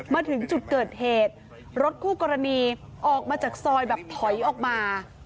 มาถึงจุดเกิดเหตุรถคู่กรณีออกมาจากซอยแบบถอยออกมา